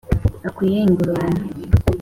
Akwiye ingororano.